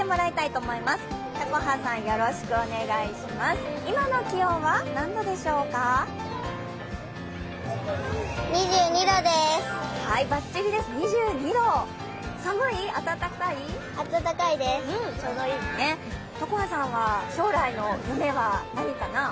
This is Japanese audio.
とこはさんは将来の夢は何かな？